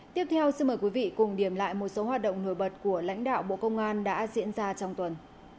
tiếp theo xin mời quý vị cùng điểm lại một số hoạt động nổi bật của lãnh đạo bộ công an đã diễn ra trong tuần